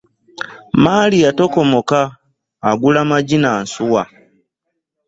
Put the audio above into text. Mmali yatokomoka, agula maji na nsuwa.